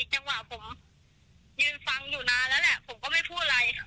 จังหวะผมยืนฟังอยู่นานแล้วแหละผมก็ไม่พูดอะไร